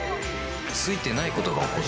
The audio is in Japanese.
ついてないことが起こる